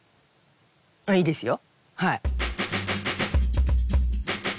あっいいですよ